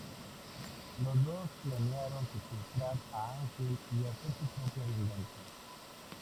Los dos planearon secuestrar a Ángel y hacer su propia venganza.